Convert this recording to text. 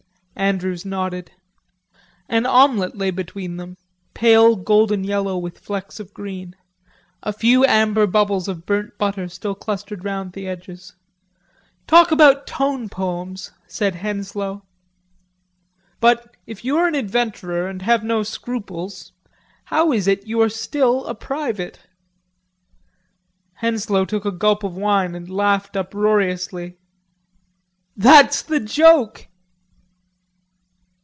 Andrews nodded. An omelet lay between them, pale golden yellow with flecks of green; a few amber bubbles of burnt butter still clustered round the edges. "Talk about tone poems," said Henslowe. "But, if you are an adventurer and have no scruples, how is it you are still a private?" Henslowe took a gulp of wine and laughed uproariously. "That's the joke."